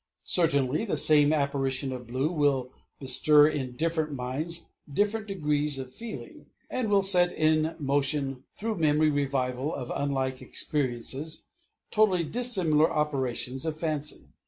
Certainly the same apparition of blue will bestir in different minds different degrees of feeling, and will set in motion, through memory revival of unlike experiences, totally dissimilar operations of fancy.